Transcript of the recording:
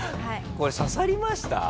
これ刺さりました？